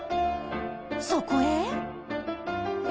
そこへえ？